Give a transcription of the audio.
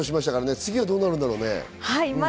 次はどうなるんだろうね。